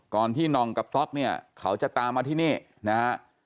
ที่นองกับต๊อกเนี่ยเขาจะตามมาที่นี่นะฮะ